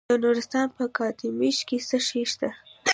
د نورستان په کامدیش کې څه شی شته؟